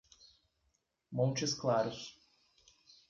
Montes Claros